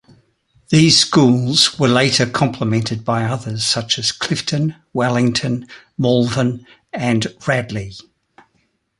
These schools were later complemented by others such as Clifton, Wellington, Malvern and Radley.